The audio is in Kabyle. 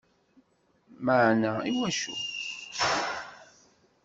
Meεna iwacu?